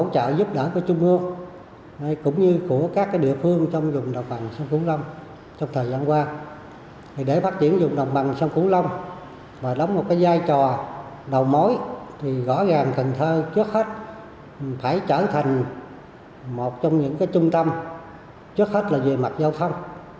phải trở thành một trong những cái trung tâm trước hết là về mặt giao thông